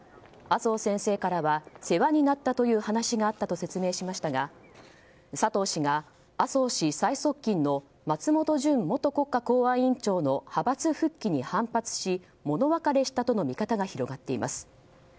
麻生先生からは世話になったという話があったと説明しましたが佐藤氏が、麻生氏最側近の松本純元国家公安委員長の派閥復帰に反発し物別れしたとの見方が広がっています。